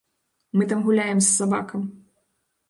Мы там гуляем з сабакам.